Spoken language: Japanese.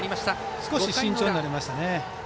少し慎重になりましたね。